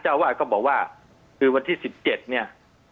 เจ้าวาสก็บอกว่าคือวันที่สิบเจ็ดเนี้ย